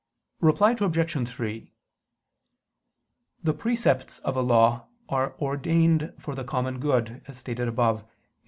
Reply Obj. 3: The precepts of a law are ordained for the common good, as stated above (Q.